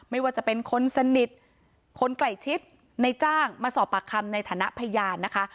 ไม่ว่าจะเป็นคนสนิทคนใกล้ชิดในจ้างมาสอบปากคำในฐานะพยานนะคะ